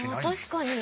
確かに。